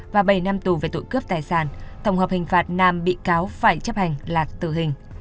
và bảy năm tù về tội cướp tài sản tổng hợp hình phạt nam bị cáo phải chấp hành là tử hình